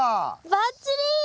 ばっちり！